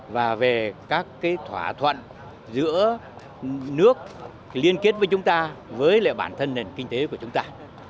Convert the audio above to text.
và về các thỏa thuận giữa nước liên kết với chúng ta với bản thân nền kinh tế của chúng ta